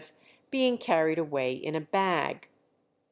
] Sidmouth being carried away in a bag.